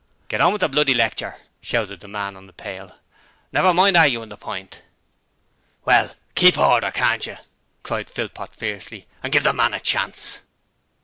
'Get on with the bloody lecture,' shouted the man on the pail. 'Never mind arguin' the point.' 'Well, keep horder, can't you?' cried Philpot, fiercely, 'and give the man a chance.'